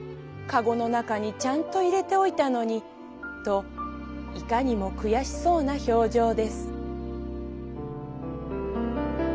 籠の中にちゃんと入れておいたのに」といかにもくやしそうな表情です」。